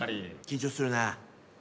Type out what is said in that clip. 緊張するな。